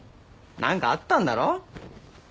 何かあったんだろ？